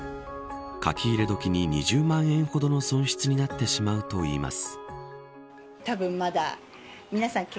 かき入れ時に２０万円ほどの損失になってしまうといいます。